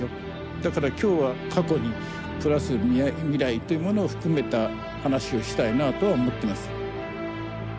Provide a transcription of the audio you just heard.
だから今日は過去にプラス未来というものを含めた話をしたいなあとは思ってます。